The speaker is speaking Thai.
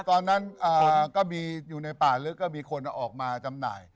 ตอนนั้นก็มีอยู่ในป่าลึกก็มีคนออกมาจำหน่าย